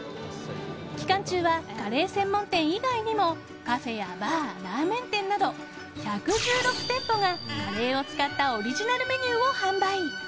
期間中はカレー専門店以外にもカフェやバー、ラーメン店など１１６店舗が、カレーを使ったオリジナルメニューを販売。